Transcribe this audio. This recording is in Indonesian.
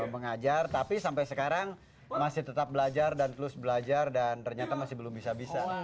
seribu sembilan ratus delapan puluh tujuh mengajar tapi sampai sekarang masih tetap belajar dan terus belajar dan ternyata masih belum bisa bisa